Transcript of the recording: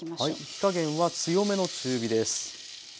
火加減は強めの中火です。